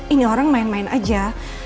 ini orang main main aja